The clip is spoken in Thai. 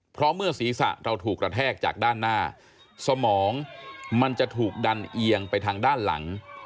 เพราะเมื่อศีรษะเราถูกกระแทกจากด้านหน้าสมองมันจะถูกดันเอียงไปทางด้านหลัง